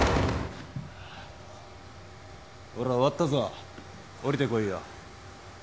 終わったぞおりてこいよ。